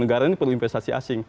negara ini perlu investasi asing